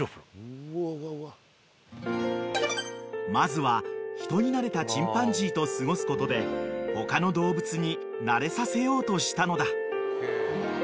［まずは人になれたチンパンジーと過ごすことで他の動物になれさせようとしたのだ］